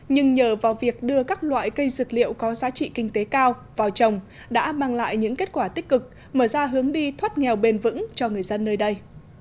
nhưng nhờ vào việc đưa các loại cây dược liệu có giá trị kinh tế cao vào trồng đã mang lại những kết quả tích cực mở ra hướng đi thoát nghèo bền vững cho người dân nơi đây